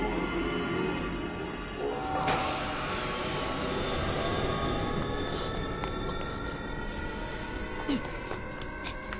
あっ！